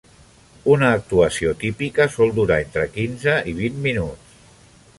Una actuació típica sol durar entre quinze i vint minuts.